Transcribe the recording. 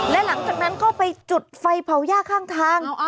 และหลังจากนั้นก็ไปจุดไฟเผาย่าข้างทาง